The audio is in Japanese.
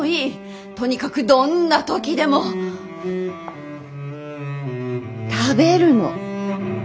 とにかくどんな時でも食べるの。